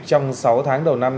trong sáu tháng đầu năm